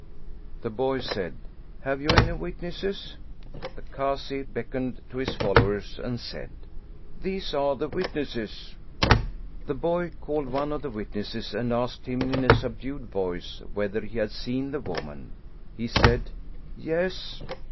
The boy said: "Have you any witnesses? The Kazi beckoned to his followers and said :" These are the wit nesses." The boy called one of the witnesses and asked him in a subdued voice whether he had seen the woman? He said: "Yes."